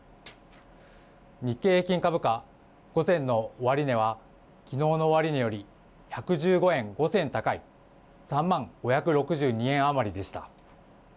日経平均株価、午前の終値はきのうの終値より１１５円５銭高い３万５６２円余りでした。